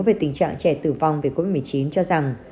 về tình trạng trẻ tử vong vì covid một mươi chín cho rằng